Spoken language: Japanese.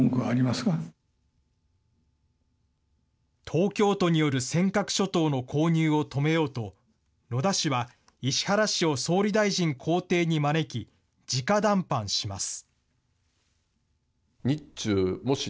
東京都による尖閣諸島の購入を止めようと、野田氏は石原氏を総理大臣公邸に招き、じか談判します。